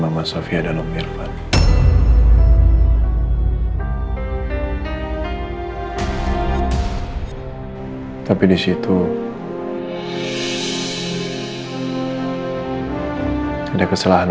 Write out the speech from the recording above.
semoga sesuatu yang baik baik saja membuat anda disayang